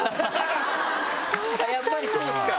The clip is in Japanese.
やっぱりそうですか！